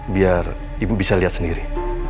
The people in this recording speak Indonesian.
biar ibu bisa lihat sendiri